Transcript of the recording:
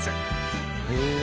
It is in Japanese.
へえ！